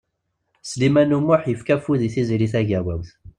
Sliman U Muḥ yefka afud i Tiziri Tagawawt.